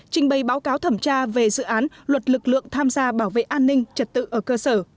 trình bày báo cáo thẩm tra về dự án luật lực lượng tham gia bảo vệ an ninh trật tự ở cơ sở